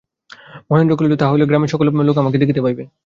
মহেন্দ্র কহিল, তাহা হইলে গ্রামের সকল লোক আমাকে দেখিতে পাইবে।